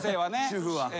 主婦は。